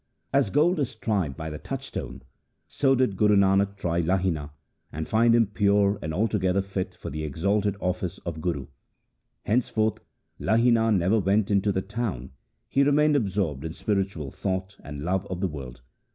As gold is tried by the touchstone, so did Guru Nanak try Lahina, and find him pure and altogether fit for the exalted office of Guru. Henceforth Lahina never went into the town. He remained absorbed in spiritual thought and love of the Word.